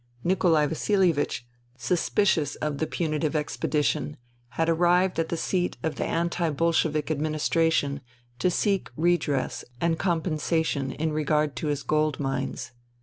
Nikolai Vasilievich, suspicious of the punitive expedition, had arrived at the seat of the anti Bolshevik Adminis tration to seek redress and compensation in regard to his gold mines.